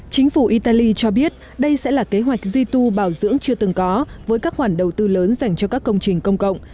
chính phủ italy cho biết đây sẽ là kế hoạch duy tu bảo dưỡng chưa từng có với các khoản đầu tư lớn dành cho các công trình công cộng